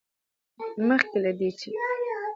مخکې له دې، چې